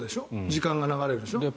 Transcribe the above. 時間が流れるでしょ。